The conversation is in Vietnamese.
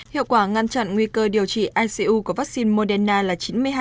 hiệu quả ngăn chặn nguy cơ điều trị icu của vaccine moderna là chín mươi hai